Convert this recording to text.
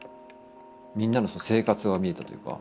みんなの生活が見えたというか。